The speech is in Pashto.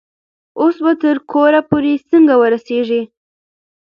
اوس به تر کوره پورې څنګه ورسیږي؟